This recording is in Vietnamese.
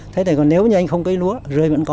thế thì còn nếu như anh không cây lúa rươi vẫn có